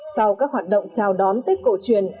sau các hoạt động chào đón tết cổ truyền